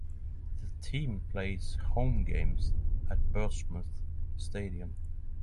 The team plays home games at Birchmount Stadium.